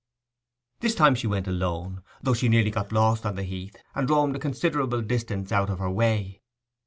This time she went alone, though she nearly got lost on the heath, and roamed a considerable distance out of her way.